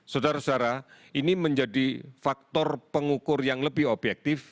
saudara saudara ini menjadi faktor pengukur yang lebih objektif